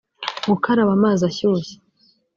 gukaraba amazi ashyushye